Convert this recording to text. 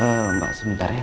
eh mbak sebentar ya